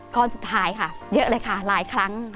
ก็หายค่ะเยอะเลยค่ะหลายครั้ง